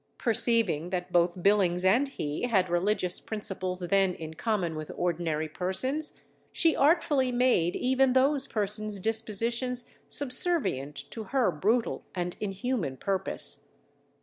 Perceiving that both Billings and he had religious principles then in common with ordinary persons, she artfully made even those persons' dispositions subservient to her brutal and inhuman purpose.